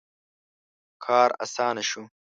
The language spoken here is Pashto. • کار آسانه شو.